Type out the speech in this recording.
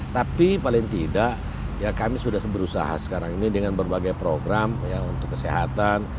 tapi paling tidak ya kami sudah berusaha sekarang ini dengan berbagai program untuk kesehatan